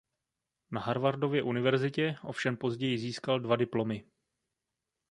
Na Harvardově univerzitě ovšem později získal dva diplomy.